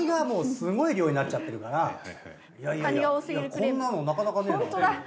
こんなのなかなかねえなと。